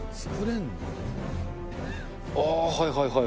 あー、はいはいはい。